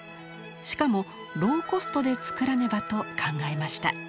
しかもローコストでつくらねばと考えました。